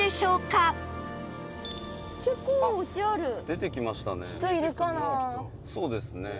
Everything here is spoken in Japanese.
「出てきましたね」